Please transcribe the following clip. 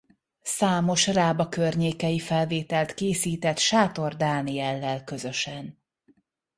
Számos Rába környékei felvételt készített Sátor Dániellel közösen.